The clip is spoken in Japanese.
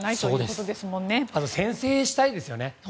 あと先制したいですね。